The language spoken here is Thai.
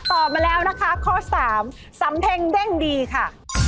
มาแล้วนะคะข้อ๓สำเพ็งเด้งดีค่ะ